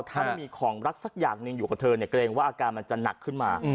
ถ้าไม่มีของรักสักอย่างหนึ่งอยู่กับเธอเนี่ยเกรงว่าอาการมันจะหนักขึ้นมา